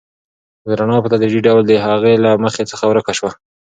رڼا په تدریجي ډول د هغې له مخ څخه ورکه شوه.